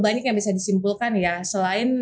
banyak yang bisa disimpulkan ya selain